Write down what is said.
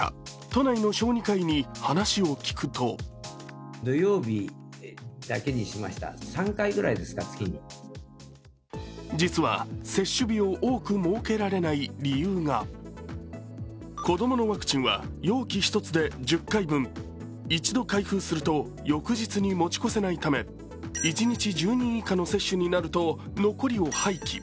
都内の小児科医に話を聞くと実は接種日を多く設けられない理由が子供のワクチンは容器１つで１０回分一度開封すると翌日に持ち越せないため一日１０人以下の接種になると残りを廃棄。